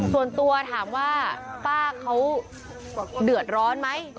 ส่วนตัวถามว่าป้าเขาเดือดร้อนไหม